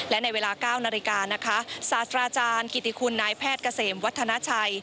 และในเวลา๙นาฬิกานะคะศาสตราอาจารย์กิติคุณนายแพทย์เกษมวัฒนาชัย